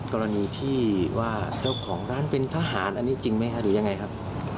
กรณีที่ว่าเจ้าของร้านเป็นทหารอันนี้จริงไหมฮะหรือยังไงครับ